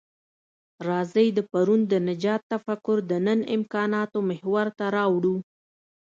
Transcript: راځئ د پرون د نجات تفکر د نن امکاناتو محور ته راوړوو.